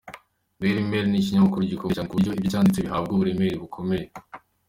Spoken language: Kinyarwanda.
Daily Mail ni ikinyamakuru gikomeye cyane ku buryo ibyo cyanditse bihabwa uburemere bukomeye.